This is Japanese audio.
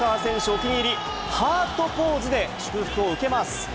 お気に入り、ハートポーズで祝福を受けます。